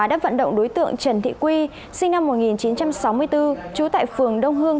đã vận động đối tượng trần thị quy sinh năm một nghìn chín trăm sáu mươi bốn trú tại phường đông hương